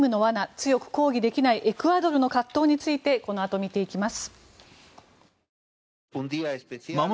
強く抗議できないエクアドルの葛藤についてこのあと見ていきます。